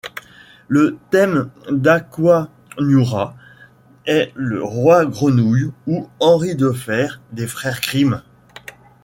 Le thème d'Aquanura est Le Roi Grenouille ou Henri de Fer des frères Grimm.